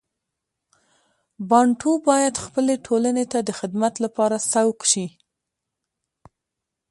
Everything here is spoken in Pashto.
بانټو باید خپلې ټولنې ته د خدمت لپاره سوق شي.